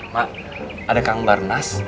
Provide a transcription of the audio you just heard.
mak adekang barnes